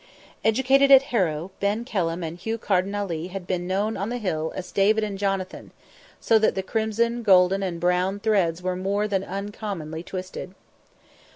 Educated at Harrow, Ben Kelham and Hugh Carden Ali had been known on the Hill as David and Jonathan; so that the crimson, golden and brown threads were more than uncommonly twisted.